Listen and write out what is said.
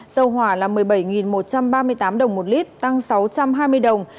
dầu hỏa là một mươi bảy một trăm ba mươi tám đồng một lít tăng sáu trăm hai mươi đồng